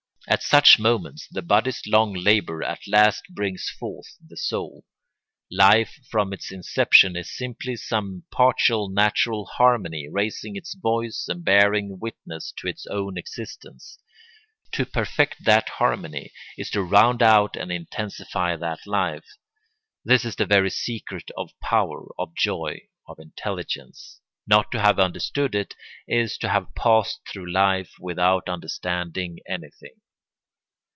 At such moments the body's long labour at last brings forth the soul. Life from its inception is simply some partial natural harmony raising its voice and bearing witness to its own existence; to perfect that harmony is to round out and intensify that life. This is the very secret of power, of joy, of intelligence. Not to have understood it is to have passed through life without understanding anything.